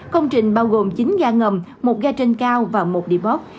công trình bao gồm chín ga ngầm một ga trên cao và một đi bót